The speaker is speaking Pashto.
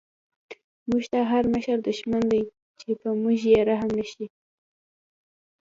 موږ ته هر مشر دشمن دی، چی په موږ یې رحم نه شی